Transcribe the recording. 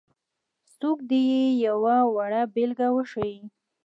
څوک دې یې یوه وړه بېلګه وښيي.